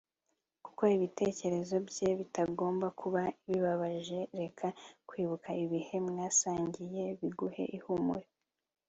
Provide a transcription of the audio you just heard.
kuko ibitekerezo bye bitagomba kuba bibabaje reka kwibuka ibihe mwasangiye biguhe ihumure